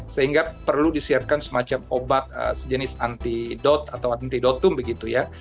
sehingga perlu disiapkan semacam obat sejenis antidot atau antidotum begitu ya